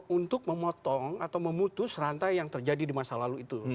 untuk memotong atau memutus rantai yang terjadi di masa lalu itu